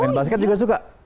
main basket juga suka